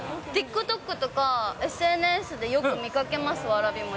ＴｉｋＴｏｋとかＳＮＳでよく見かけます、わらび餅。